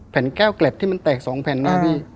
แผ่นแก้วเกล็บที่มันแตก๒แผ่นเลยพี่